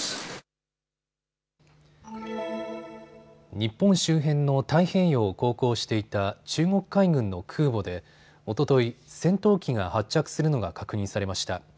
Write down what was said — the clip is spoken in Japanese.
日本周辺の太平洋を航行していた中国海軍の空母でおととい戦闘機が発着するのが確認されました。